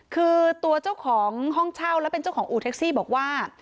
คือตัวเจ้าของห้องเช่าและเป็นเจ้าของอู่แท็กซี่บอกว่า